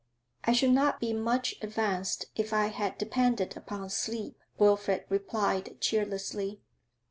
'I should not be much advanced if I had depended upon sleep,' Wilfrid replied cheerlessly.